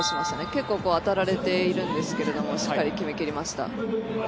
結構当たられているんですけれどもしっかり決めきりました。